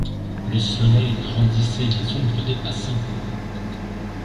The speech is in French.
Le soleil grandissait les ombres des passants